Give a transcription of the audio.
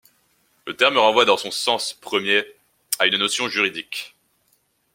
Le terme renvoie dans son sens premier à une notion juridique.